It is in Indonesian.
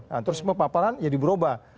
nah terus kepaparan jadi berubah